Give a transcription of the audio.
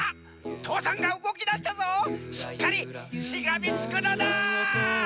父山がうごきだしたぞしっかりしがみつくのだ！